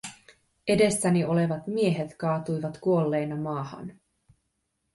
Edessäni olevat miehet kaatuivat kuolleina maahan.